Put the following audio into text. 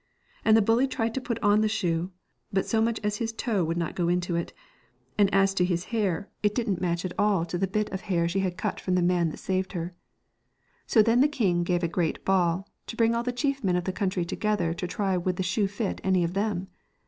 And the bully tried to put on the shoe, but so much as his toe would not go into it, and as to his hair, it didn't match 222 at all to the bit of hair she had cut from Dreams ...* that have the man that saved her. no Moral. So then the king gave a great ball, to bring all the chief men of the country together to try would the shoe fit any of them.